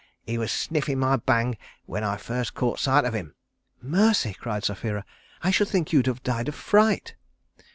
He was sniffin' my bang when I first caught sight of him." "Mercy!" cried Sapphira, "I should think you'd have died of fright."